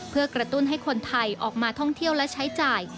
เพื่อกระตุ้นให้คนไทยออกมาท่องเที่ยวและใช้จ่าย